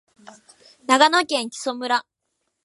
長野県木祖村